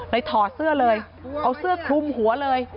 ถอดเสื้อเลยเอาเสื้อคลุมหัวเลย